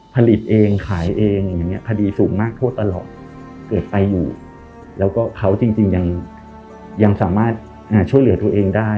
ผลิตเองขายเองอย่างนี้คดีสูงมากโทษตลอดเกิดไปอยู่แล้วก็เขาจริงยังสามารถช่วยเหลือตัวเองได้